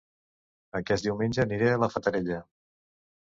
Aquest diumenge aniré a La Fatarella